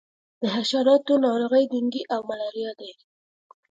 د حشراتو ناروغۍ ډینګي او ملیریا دي.